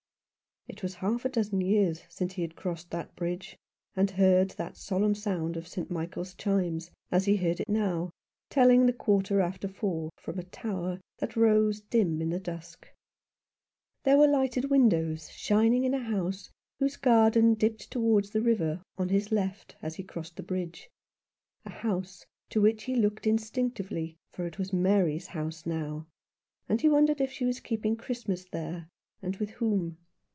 It was half a dozen years since he had crossed the bridge, and heard that solemn sound of St. Michael's chimes, as he heard it now, telling the quarter after four from a tower that rose dim in the dusk. There were lighted windows shining in a house whose garden dipped towards the river, on his left, as he crossed the bridge — a house to which he looked instinctively, for it was Mary's house now, and he wondered if she was keeping Christmas there, and with whom.